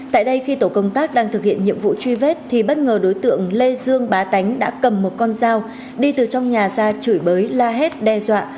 tại đây khi tổ công tác đang thực hiện nhiệm vụ truy vết thì bất ngờ đối tượng lê dương bá tánh đã cầm một con dao đi từ trong nhà ra chửi bới la hét đe dọa